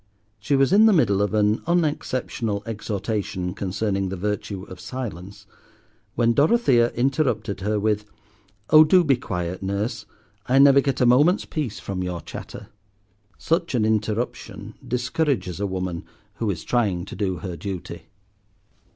She was in the middle of an unexceptional exhortation concerning the virtue of silence, when Dorothea interrupted her with— "Oh, do be quiet, Nurse. I never get a moment's peace from your chatter." Such an interruption discourages a woman who is trying to do her duty.